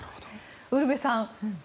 ウルヴェさん